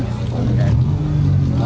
oh gitu ya